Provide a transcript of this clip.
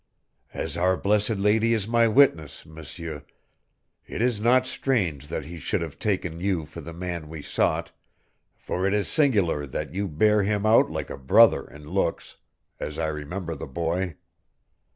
"As Our Blessed Lady is my witness, M'seur, it is not strange that he should have taken you for the man we sought, for it is singular that you bear him out like a brother in looks, as I remember the boy.